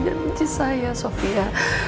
jangan benci saya sofia